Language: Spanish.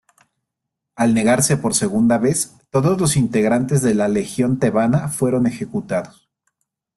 Al negarse por segunda vez, todos los integrantes de la Legión Tebana fueron ejecutados.